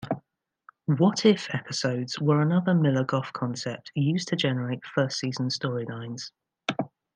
"What if" episodes were another Millar-Gough concept used to generate first season storylines.